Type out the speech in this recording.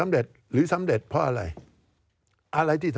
การเลือกตั้งครั้งนี้แน่